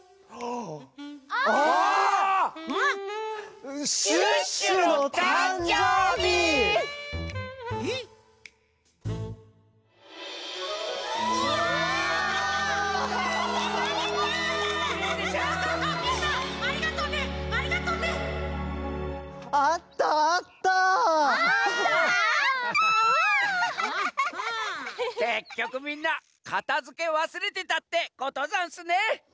けっきょくみんなかたづけわすれてたってことざんすね。